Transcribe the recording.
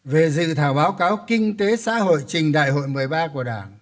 về dự thảo báo cáo kinh tế xã hội trình đại hội một mươi ba của đảng